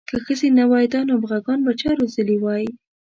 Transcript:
که ښځې نه وای دا نابغه ګان به چا روزلي وی.